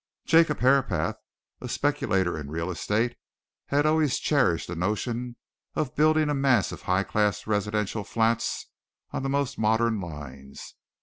Jacob Herapath, a speculator in real estate, had always cherished a notion of building a mass of high class residential flats on the most modern lines.